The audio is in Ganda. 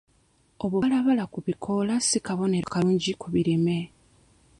Obubalabala ku bikoola si kabonero kalungi ku birime.